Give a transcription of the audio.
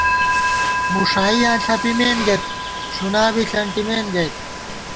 مُݭائیاں ݪپِمېن گئیت، ݭُنا بی ݪَنٹِمېن گئیت